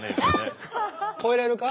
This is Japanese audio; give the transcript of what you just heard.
超えられるか？